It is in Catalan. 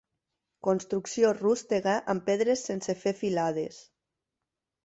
Construcció rústega amb pedres sense fer filades.